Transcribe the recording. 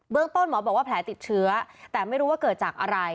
ต้นหมอบอกว่าแผลติดเชื้อแต่ไม่รู้ว่าเกิดจากอะไร